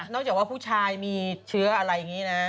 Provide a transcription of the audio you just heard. นอกจากว่าผู้ชายมีเชื้ออะไรนี้นะ